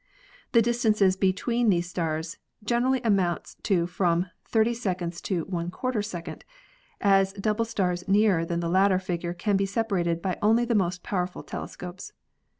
The distances between these stars gener ally amounts to from 30" to >4", a s double stars nearer than the latter figure can be separated by only the most powerful telescopes.